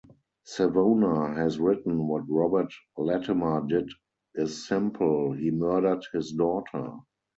Savona has written, What Robert Latimer did is simple: He murdered his daughter.